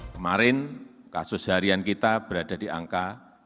kemarin kasus harian kita berada di angka satu dua ratus